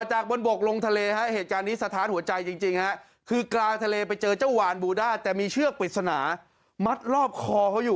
จากบนบกลงทะเลศาสตร์หัวใจจริงคือกลางทะเลไปเจอเจ้าวานบูด่าแต่มีเชื่อคปริศนามัดรอบคอเค้าอยู่